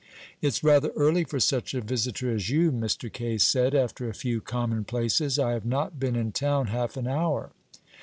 "It's rather early for such a visitor as you," Mr. Kaye said, after a few commonplaces. "I have not been in town half an hour."